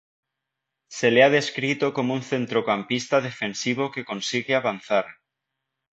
Se le ha descrito como un centrocampista defensivo que consigue avanzar.